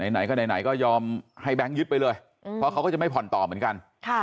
ไหนก็ไหนก็ยอมให้แบงค์ยึดไปเลยเพราะเขาก็จะไม่ผ่อนต่อเหมือนกัน